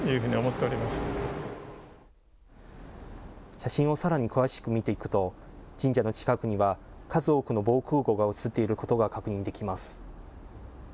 写真をさらに詳しく見ていくと、神社の近くには数多くの防空ごうが写っていることが確認できます。